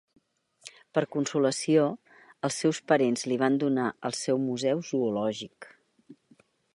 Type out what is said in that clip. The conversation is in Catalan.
Per consolació, els seus parents li van donar el seu museu zoològic.